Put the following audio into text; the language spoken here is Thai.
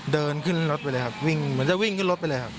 เดินขึ้นรถไปเลยครับวิ่งเหมือนจะวิ่งขึ้นรถไปเลยครับ